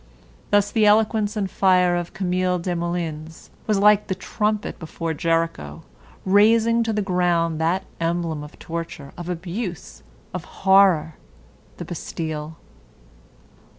Thus the eloquence and fire of Camille Desmoulins was like the trumpet before Jericho, razing to the ground that emblem of torture, of abuse, of horror, the Bastille.